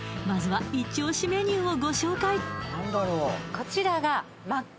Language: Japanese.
まずはイチオシメニューをご紹介